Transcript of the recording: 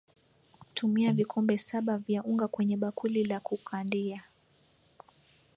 Tumia vikombe saba vya unga kwenye bakuli la kukandia